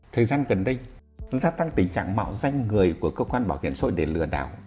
thời gian gần đây gia tăng tình trạng mạo danh người của cơ quan bảo hiểm xã hội để lừa đảo